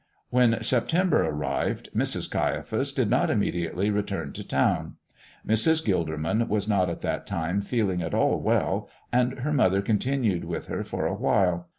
When September arrived, Mrs. Caiaphas did not immediately return to town. Mrs. Gilderman was not at that time feeling at all well, and her mother continued with her for a while.